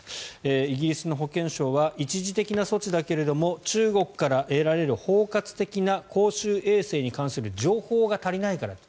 イギリスの保健省は一時的な措置だけれど中国から得られる包括的な公衆衛生に関する情報が足りないからだと。